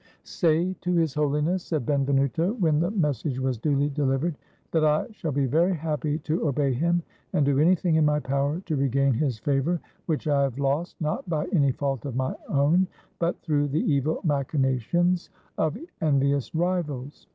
"Say to His HoUness," said Benvenuto, when the message was duly dehvered, " that I shall be very happy to obey him, and do anything in my power to regain his favor, which I have lost not by any fault of my own, but through the evil machinations of envious rivals.